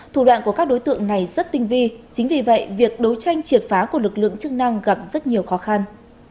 thủ đoạn của các đối tượng này rất tinh vi chính vì vậy việc đấu tranh triệt phá của lực lượng chức năng gặp rất nhiều khó khăn